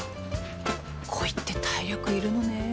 恋って体力いるのねえ。